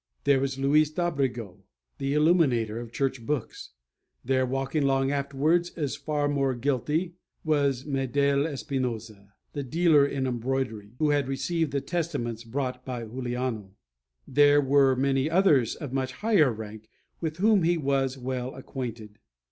There was Luis D'Abrego, the illuminator of church books; there, walking long afterwards, as far more guilty, was Medel D'Espinosa, the dealer in embroidery, who had received the Testaments brought by Juliano. There were many others of much higher rank, with whom he was well acquainted.